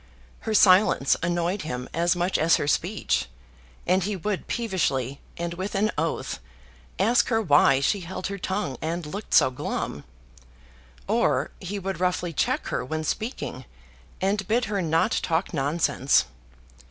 Her silence annoyed him as much as her speech; and he would peevishly, and with an oath, ask her why she held her tongue and looked so glum; or he would roughly check her when speaking, and bid her not talk nonsense.